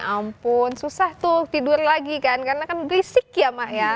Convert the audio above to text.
ampun susah tuh tidur lagi kan karena kan berisik ya mak ya